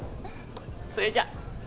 それじゃ。